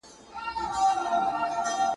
o د پښتو ادب نړۍ ده پرې روښانه,